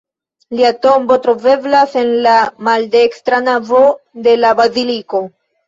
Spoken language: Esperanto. Lia tombo troveblas en la maldekstra navo de la baziliko.